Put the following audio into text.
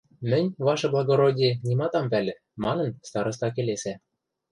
– Мӹнь, ваше благородие, нимат ам пӓлӹ, – манын, староста келесӓ.